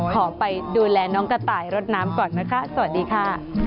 ขอไปดูแลน้องกระต่ายรดน้ำก่อนนะคะสวัสดีค่ะ